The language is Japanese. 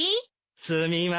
すみません